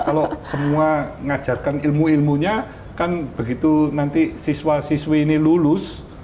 kalau semua ngajarkan ilmu ilmunya kan begitu nanti siswa siswi ini lulus